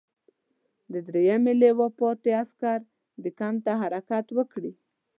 د دریمې لواء پاتې عسکر دې کمپ ته حرکت وکړي.